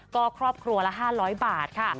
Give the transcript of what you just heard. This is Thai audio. ก็ครอบครัวละ๕๐๐บาทค่ะ